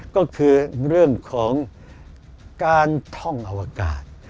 ก็คือเรื่องของการท่องอวกาศ